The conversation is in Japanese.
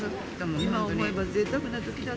今思えばぜいたくなときだっ